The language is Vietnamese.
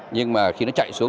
nhưng mà khi nó chạy xuống